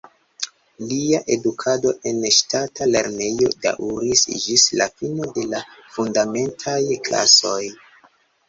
Lia edukado en ŝtata lernejo daŭris ĝis la fino de la fundamentaj klasoj.